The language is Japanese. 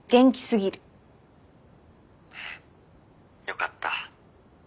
よかった。